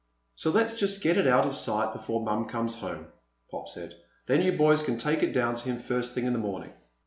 "So let's just get it out of sight before Mom comes home," Pop said. "Then you boys can take it down to him first thing in the morning."